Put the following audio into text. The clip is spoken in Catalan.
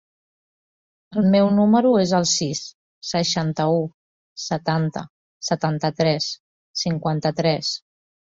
El meu número es el sis, seixanta-u, setanta, setanta-tres, cinquanta-tres.